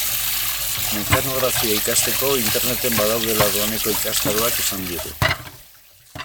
Mekanografia ikasteko Interneten badaudela doaneko ikastaroak esan digu.